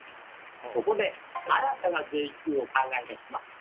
そこで新たな税金を考え出します。